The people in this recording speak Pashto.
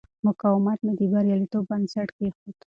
مقاومت مې د بریالیتوب بنسټ کېښود.